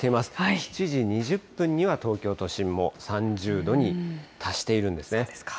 ７時２０分には東京都心も３０度に達しているんですね。